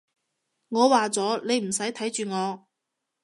我話咗，你唔使睇住我